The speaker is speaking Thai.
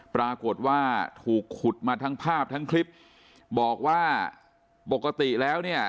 ปรากฏว่าถูกขุดมาทั้งภาพทั้งคลิปบอกว่าปกติแล้วเนี่ย